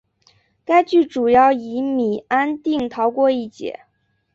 该剧主要以米安定逃过一劫。